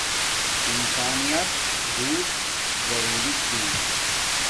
انسانیت بوت ضرولی چھی